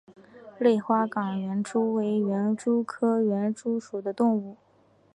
类花岗园蛛为园蛛科园蛛属的动物。